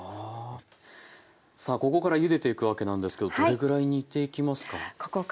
さあここからゆでていくわけなんですけどどれぐらい煮ていきますか？